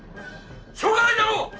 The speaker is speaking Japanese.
しょうがないだろ！